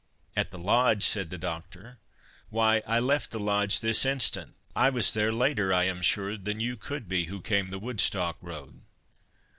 "At the Lodge?" said the Doctor; "why, I left the Lodge this instant—I was there later, I am sure, than you could be, who came the Woodstock road."